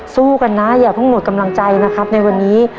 สู้กันนะอย่าเพิ่งหมดกำลังใจนะครับในวันนี้